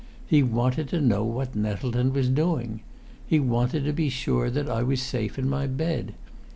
He wanted to know what Nettleton was doing. He wanted to be sure that I was safe in my bed.